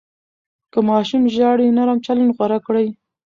که ماشوم ژاړي، نرم چلند غوره کړئ.